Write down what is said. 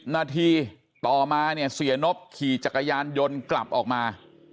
นาทีต่อมาเนี่ยเสียนบขี่จักรยานยนต์กลับออกมา